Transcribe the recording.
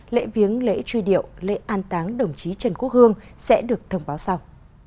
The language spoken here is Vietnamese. lễ viếng lễ truy điệu lễ an táng đồng chí trần quốc hương sẽ được thông báo sau